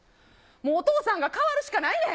もうお父さんが変わるしかないねん。